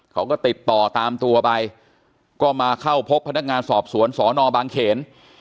เขาก็ติดต่อตามตัวไปก็มาเข้าพบพนักงานสอบสวนสอนอบางเขน